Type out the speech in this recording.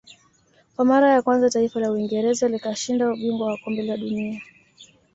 Kwa mara ya kwanza taifa la Uingereza likashinda ubingwa wa kombe la dunia